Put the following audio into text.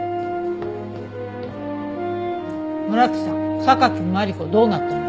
村木さん榊マリコどうなったの？